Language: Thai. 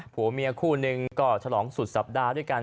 ผัวเมียคู่หนึ่งก็ฉลองสุดสัปดาห์ด้วยกัน